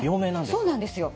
そうなんですよ。